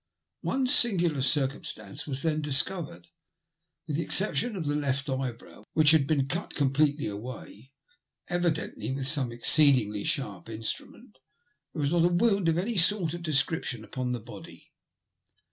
One singular circumstance was then discovered — with the exception of the left eyebrow, which had been out completely away, evi« dently with some exoeedingly sharp instrument, there was not a wound of any sort or description upon the body.